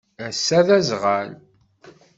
Assa d azɣal